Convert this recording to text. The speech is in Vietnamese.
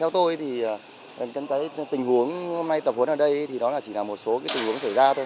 tập huấn ở đây chỉ là một số tình huống